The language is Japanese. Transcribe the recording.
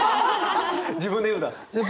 自分で言うんだ。